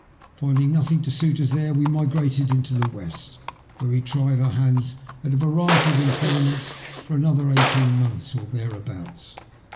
Finding nothing to suit us there, we migrated into the west, where we tried our hands at a variety of employments for another eighteen months or thereabouts.